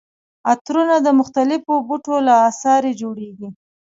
عطرونه د مختلفو بوټو له عصارې جوړیږي.